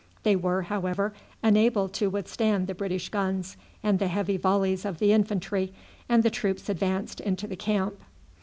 They were, however, unable to withstand the British guns and the heavy volleys of the infantry, and the troops advanced into the camp.